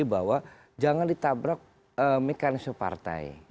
bahwa jangan ditabrak mekanisme partai